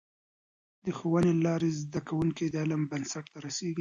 د ښوونې له لارې، زده کوونکي د علم بنسټ ته رسېږي.